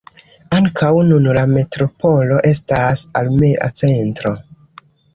Ankaŭ nun la metropolo estas armea centro.